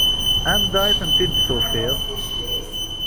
Anda ay tent-id-tufiḍ?